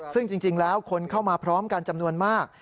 ซึ่งจริงแล้วคนเข้ามาพร้อมกันจำนวนมาก